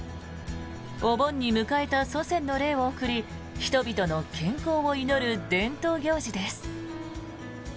お盆に迎えた祖先の霊を送り人々の健康を祈る伝統行事です。